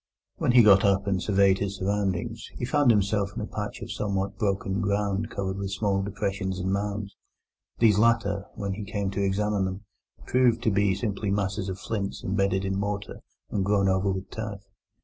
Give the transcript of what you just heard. When he got up and surveyed his surroundings, he found himself in a patch of somewhat broken ground covered with small depressions and mounds. These latter, when he came to examine them, proved to be simply masses of flints embedded in mortar and grown over with turf.